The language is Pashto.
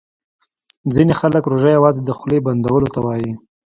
ځیني خلګ روژه یوازي د خولې بندولو ته وايي